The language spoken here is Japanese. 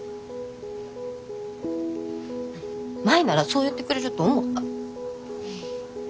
舞ならそう言ってくれると思った。